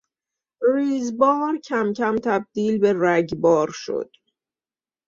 ریز بار کمکم تبدیل به رگبار شد.